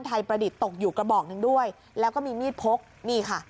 ประดิษฐ์ตกอยู่กระบอกหนึ่งด้วยแล้วก็มีมีดพกนี่ค่ะ